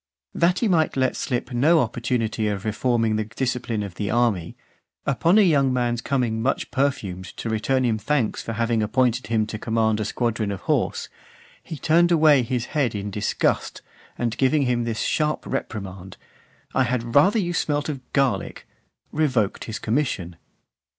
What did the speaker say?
That he might let slip no opportunity of reforming the discipline of the army, upon a young man's coming much perfumed to return him thanks (452) for having appointed him to command a squadron of horse, he turned away his head in disgust, and, giving him this sharp reprimand, "I had rather you had smelt of garlic," revoked his commission.